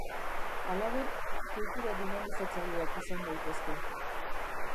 Halaber, kultura dinamizatzaileak izan daitezke.